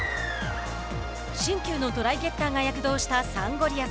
新旧のトライゲッターが躍動したサンゴリアス。